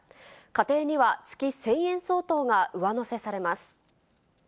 家庭には月１０００円相当が上乗せされます。